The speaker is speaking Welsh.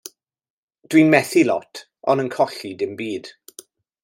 Dw i'n methu lot ond yn colli dim byd.